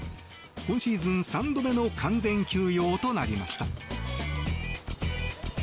今シーズン３度目の完全休養となりました。